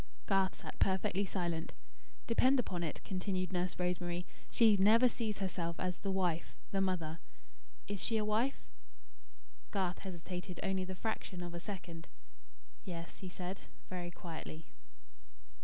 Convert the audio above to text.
Garth sat perfectly silent. "Depend upon it," continued Nurse Rosemary, "she never sees herself as 'The Wife' 'The Mother.' Is she a wife?". Garth hesitated only the fraction of a second. "Yes," he said, very quietly.